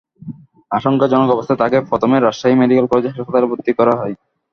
আশঙ্কাজনক অবস্থায় তাঁকে প্রথমে রাজশাহী মেডিকেল কলেজ হাসপাতালে ভর্তি করা হয়।